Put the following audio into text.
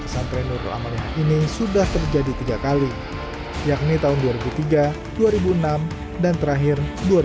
pesantren nurul amalia ini sudah terjadi tiga kali yakni tahun dua ribu tiga dua ribu enam dan terakhir dua ribu enam belas